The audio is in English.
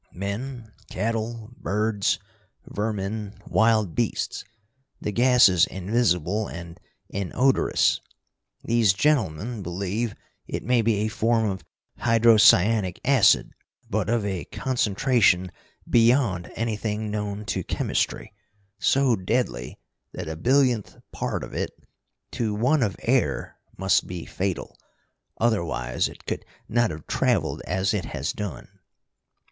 Men, cattle, birds, vermin, wild beasts. The gas is invisible and inodorous. These gentlemen believe it may be a form of hydrocyanic acid, but of a concentration beyond anything known to chemistry, so deadly that a billionth part of it to one of air must be fatal, otherwise it could not have traveled as it has done.